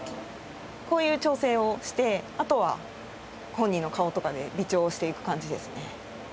こういう調整をしてあとは本人の顔とかで微調をしていく感じですね。